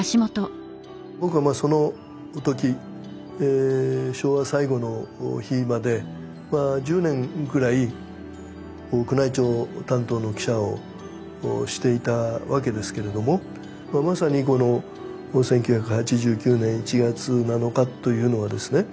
僕はそのとき昭和最後の日まで１０年ぐらい宮内庁担当の記者をしていたわけですけれどもまさにこの１９８９年１月７日というのはですね